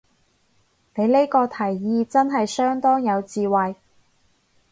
你呢個提議真係相當有智慧